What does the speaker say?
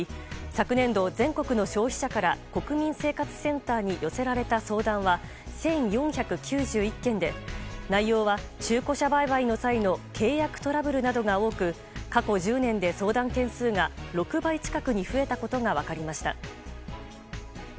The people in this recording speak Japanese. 昨年度、全国の消費者から国民生活センターに寄せられた相談は１４９１件で内容は中古車売買の際の契約トラブルなどが多く過去１０年で相談件数が６倍近くに増えたことが分かりました。